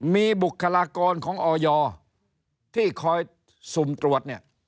มีบุคลากรของออยที่คอยสุ่มตรวจเนี่ย